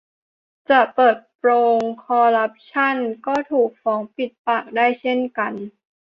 จะเปิดโปงการคอร์รัปชัน ก็ถูก ฟ้องปิดปาก ได้เช่นกัน